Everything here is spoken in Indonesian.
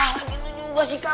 lagi nunggu gue sih kal